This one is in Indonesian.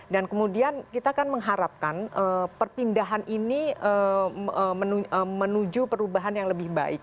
dan kemudian kita kan mengharapkan perpindahan ini menuju perubahan yang lebih baik